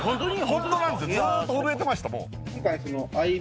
ホントなんですずっと震えてました